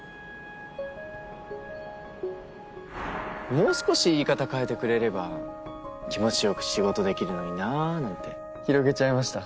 もう少し言い方変えてくれれば気持ち良く仕事できるのになぁなんて広げちゃいました